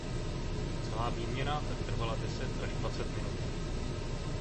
Celá výměna tak trvala deset až dvacet minut.